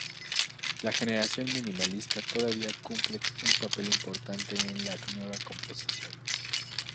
La generación minimalista todavía cumple un papel importante en la nueva composición.